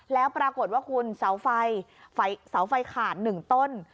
แล้วปรากฏว่าคุณเสาไฟเสาไฟขาด๑ต้น